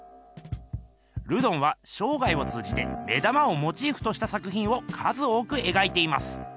ルドンはしょうがいを通じて目玉をモチーフとした作ひんを数多く描いています。